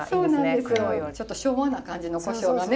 ちょっと昭和な感じのコショウがね